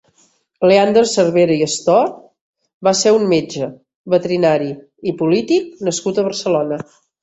Leandre Cervera i Astor va ser un metge, veterinari i polític nascut a Barcelona.